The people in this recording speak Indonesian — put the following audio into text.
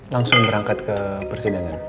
langsung berangkat ke persidangan